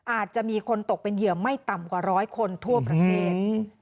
อาจจะมีคนตกเป็นเหยื่อไม่ต่ำกว่าร้อยคนทั่วประเทศ